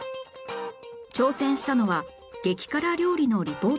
挑戦したのは激辛料理のリポートでした